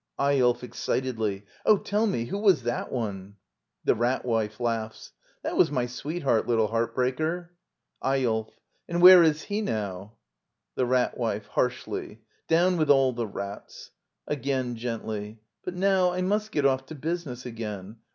Eyolf. [Excitedly.] Oh, tell me, who was that one? The Rat Wife. That was my sweetheart, little heart breaker! Eyolf. And where is he now? .^ The Rat Wife. [Harshly.] Down with all the rats! [Again gently.] But now I must get off to business again.